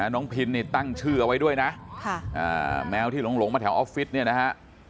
พินนี่ตั้งชื่อเอาไว้ด้วยนะแมวที่หลงมาแถวออฟฟิศเนี่ยนะฮะ